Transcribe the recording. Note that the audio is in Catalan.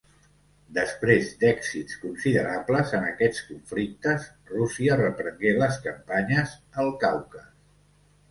Després d'èxits considerables en aquests conflictes, Rússia reprengué les campanyes al Caucas.